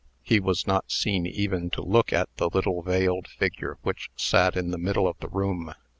He was not seen even to look at the little veiled figure which sat in the middle of the room.